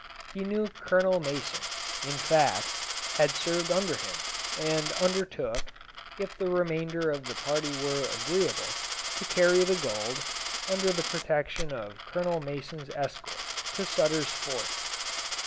He knew Colonel Mason in fact, had served under him, and undertook, if the remainder of the party were agreeable, to carry the gold, under the protection of Colonel Mason's escort, to Sutter's Fort.